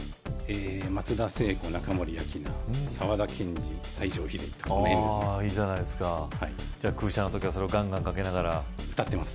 松田聖子・中森明菜・沢田研二・西城秀樹とかその辺ですねいいじゃないですかじゃあ空車の時はそれをガンガンかけながら歌ってます